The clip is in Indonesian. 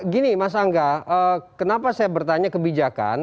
gini mas angga kenapa saya bertanya kebijakan